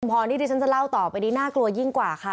ทุ่มพอนที่เดี๋ยวฉันจะเล่าต่อไปดีน่ากลัวยิ่งกว่า